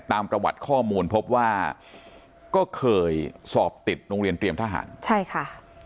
ตามประวัติข้อมูลพบว่าก็เคยสอบติดโรงเรียนเตรียมทหารใช่ค่ะ